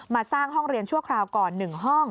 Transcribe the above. สร้างห้องเรียนชั่วคราวก่อน๑ห้อง